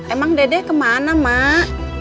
emang dede kemana mak